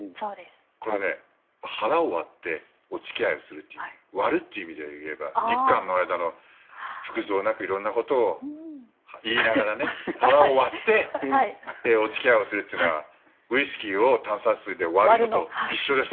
これ、腹を割ってお付き合いをするという割るという意味で言えば日韓の間の、腹蔵なく色んなことを言いながら腹を割ってお付き合いをするというのはウイスキーを炭酸水で割るのと一緒です。